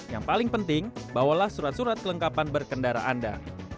yang paling penting bawalah surat surat kelengkapan berkendara anda